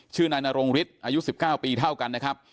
นายนรงฤทธิ์อายุ๑๙ปีเท่ากันนะครับ